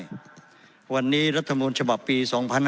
เพราะว่าตอนนี้รัฐมนต์ฉบับปี๒๕๖๐